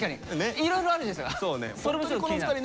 いろいろあるじゃないですか。